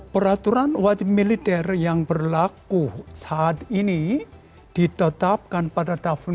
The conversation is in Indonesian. peraturan wajib militer yang berlaku saat ini ditetapkan pada tahun seribu sembilan ratus delapan puluh tiga